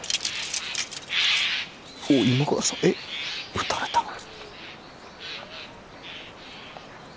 おっ今川さんえっ討たれたの？